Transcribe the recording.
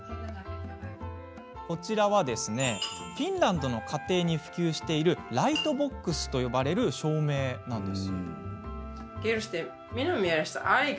こちら、フィンランドの家庭に普及しているライトボックスと呼ばれる照明なんです。